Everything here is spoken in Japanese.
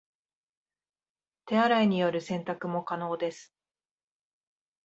手洗いによる洗濯も可能です